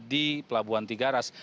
di pelabuhan tigaras